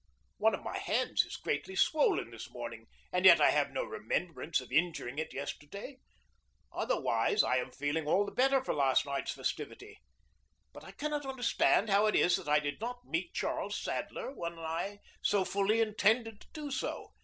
One of my hands is greatly swollen this morning, and yet I have no remembrance of injuring it yesterday. Otherwise, I am feeling all the better for last night's festivity. But I cannot understand how it is that I did not meet Charles Sadler when I so fully intended to do so.